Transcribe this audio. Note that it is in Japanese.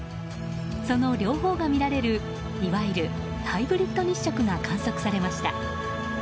その両方が見られるいわゆるハイブリッド日食が観測されました。